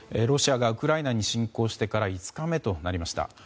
ロシアがウクライナに侵攻してから５日目となりました。